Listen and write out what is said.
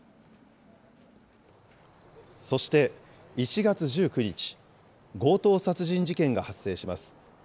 そして、１月１９日、強盗殺人事件が発生します。